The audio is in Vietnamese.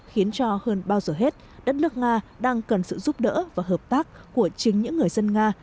khiến cho hơn bao giờ hết đất nước nga đang cần sự giúp đỡ và hợp tác của chính những người dân nga